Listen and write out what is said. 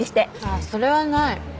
あぁそれはない。